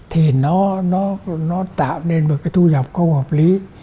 thì nó tạo nên một cái thu nhập không hợp lý